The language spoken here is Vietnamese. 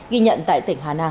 ghi nhận tại tỉnh hà nam